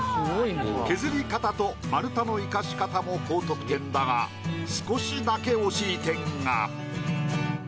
削り方と丸太の生かし方も高得点だが少しだけ惜しい点が。